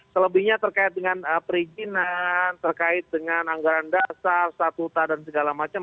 selebihnya terkait dengan perizinan terkait dengan anggaran dasar statuta dan segala macam